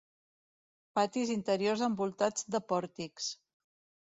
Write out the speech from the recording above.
Patis interiors envoltats de pòrtics.